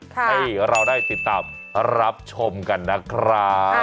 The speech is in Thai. ให้เราได้ติดตามรับชมกันนะครับ